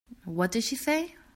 What did she say?